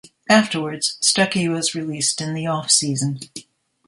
Afterwards, Stuckey was released in the offseason.